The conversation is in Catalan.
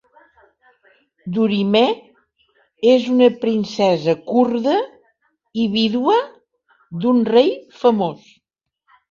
Durimeh és una princesa kurda i vídua d'un rei famós.